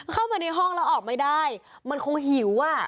เข้ามาในห้องแล้วออกไม่ได้มันคงหิวอ่ะ